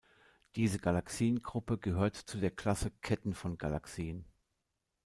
Diese Galaxiengruppe gehört zu der Klasse Ketten von Galaxien.